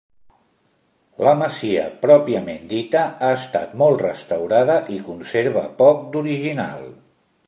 La masia pròpiament dita ha estat molt restaurada i conserva poc d'original.